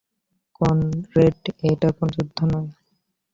Conrad, এটা কোনো যুদ্ধ নয়!